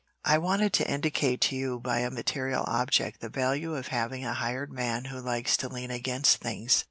I wanted to indicate to you by a material object the value of having a hired man who likes to lean against things.